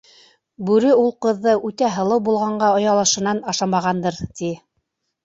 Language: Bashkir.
Бүре ул ҡыҙҙы үтә һылыу булғанға оялышынан ашамағандыр, ти.